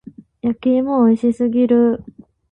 焼き芋美味しすぎる。